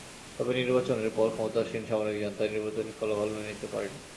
তবে নির্বাচনের পর ক্ষমতাসীন সামরিক জান্তা নির্বাচনী ফলাফল মেনে নিতে পারেনি।